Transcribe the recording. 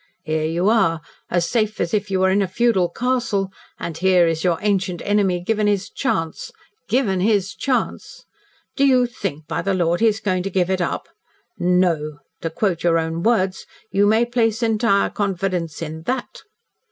"Here you are, as safe as if you were in a feudal castle, and here is your ancient enemy given his chance given his chance. Do you think, by the Lord, he is going to give it up? No. To quote your own words, 'you may place entire confidence in that.'"